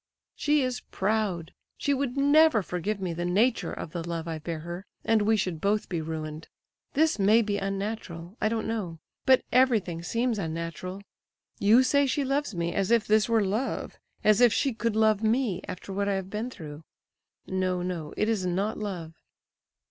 She is proud, she would never forgive me the nature of the love I bear her, and we should both be ruined. This may be unnatural, I don't know; but everything seems unnatural. You say she loves me, as if this were love! As if she could love me, after what I have been through! No, no, it is not love."